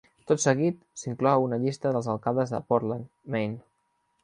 Tot seguit s'inclou una llista dels alcaldes de Portland, Maine.